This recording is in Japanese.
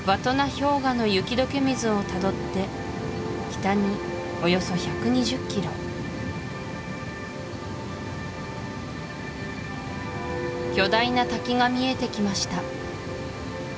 氷河の雪どけ水をたどって北におよそ１２０キロ巨大な滝が見えてきました